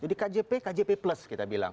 jadi kjp kjp plus kita bilang